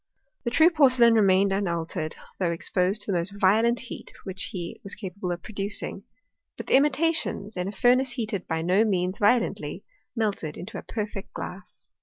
The true porcelain remained unaltered, though exposed to the most violent heat which he was capable of producing ; but the imitations, in a fur nace heated by no means violently, melted into a perfect glass.